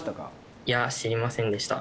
いや知りませんでした。